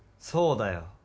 そうだよ